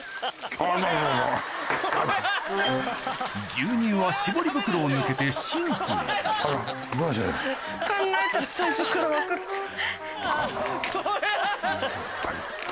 牛乳は絞り袋を抜けてシンクへ考えたら最初から分かるじゃん。